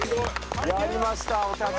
やりましたおたけ。